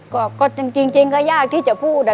ก็จริงก็ยากที่จะพูด